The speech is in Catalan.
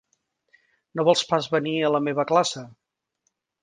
No vols pas venir a la meva classe?